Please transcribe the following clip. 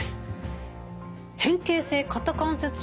では変形性肩関節症。